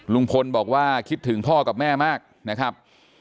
ลุงพลบอกว่าคิดถึงพ่อกับแม่มากนะครับ